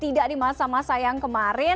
tidak di masa masa yang kemarin